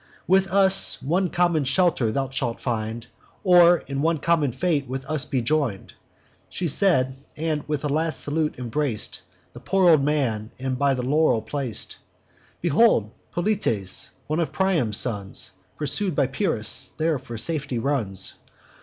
With us, one common shelter thou shalt find, Or in one common fate with us be join'd.' She said, and with a last salute embrac'd The poor old man, and by the laurel plac'd. Behold! Polites, one of Priam's sons, Pursued by Pyrrhus, there for safety runs.